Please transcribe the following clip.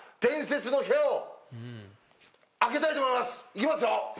いきますよ！